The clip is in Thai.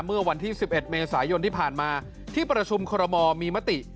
เมื่อวันที่๑๑เมษายนที่ผ่านมาที่ประชุมคอรมอลมีมติ